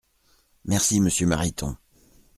Merci monsieur Mariton.